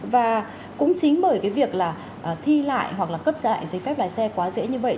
và cũng chính bởi cái việc là thi lại hoặc là cấp dạy giấy phép lái xe quá dễ như vậy